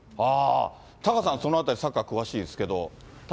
タカさん、そのあたり、サッカー詳しいですけど。